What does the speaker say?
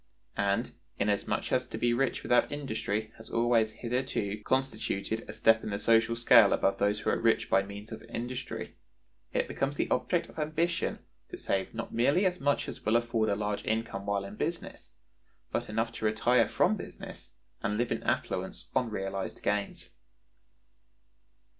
And, inasmuch as to be rich without industry has always hitherto constituted a step in the social scale above those who are rich by means of industry, it becomes the object of ambition to save not merely as much as will afford a large income while in business, but enough to retire from business and live in affluence on realized gains.